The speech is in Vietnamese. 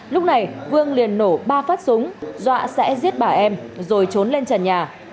lúc này vương liền nổ ba phát súng dọa sẽ giết bà em rồi trốn lên trần nhà